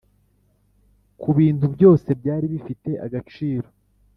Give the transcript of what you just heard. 'kubintu byose byari bifite agaciro